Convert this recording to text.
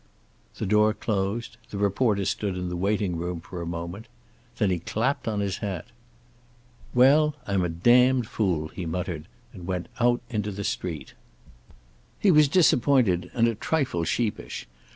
The door closed. The reporter stood in the waiting room for a moment. Then he clapped on his hat. "Well, I'm a damned fool," he muttered, and went out into the street. He was disappointed and a trifle sheepish.